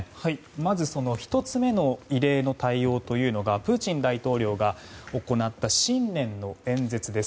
まず、その１つ目の異例の対応というのがプーチン大統領が行った新年の演説です。